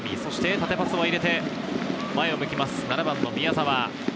縦パスを入れて前を向きます、７番・宮澤。